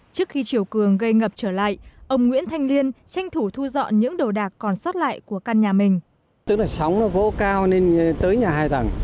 trước khi chiều cường gây ngập trở lại ông nguyễn thanh liên tranh thủ thu dọn những đồ đạc còn sót lại của căn nhà mình